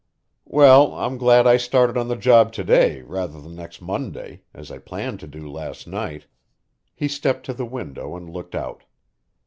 "Well, I'm glad I started on the job to day, rather than next Monday, as I planned to do last night." He stepped to the window and looked out.